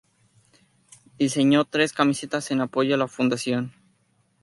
Diseñó tres camisetas en apoyo a la fundación.